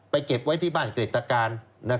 ไปเก็บไว้ที่บ้านกริรตราการ